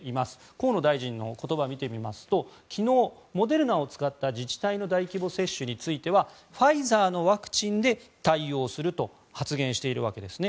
河野大臣の言葉を見てみますと昨日、モデルナを使った自治体の大規模接種についてはファイザーのワクチンで対応すると発言しているわけですね。